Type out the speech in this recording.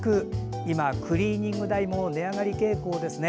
今、クリーニング代も値上がり傾向ですね。